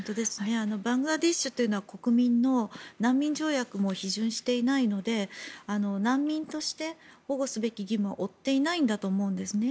バングラデシュというのは国連の難民条約も批准していないので難民として保護すべき義務を負っていないんだと思いますね。